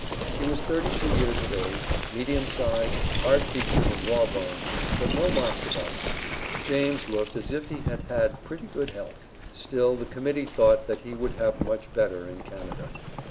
He was thirty two years of age, medium size, hard featured and raw boned, but "no marks about him." James looked as if he had had pretty good health, still the Committee thought that he would have much better in Canada.